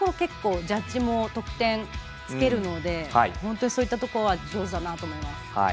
ジャッジも得点をつけるので本当にそういったところは上手だなと思います。